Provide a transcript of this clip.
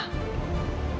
maka aku gak bisa jalan